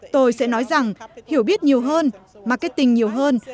tôi sẽ nói rằng hiểu biết nhiều hơn marketing nhiều hơn